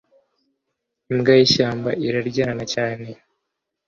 imbwa yishyamba iraryana cyane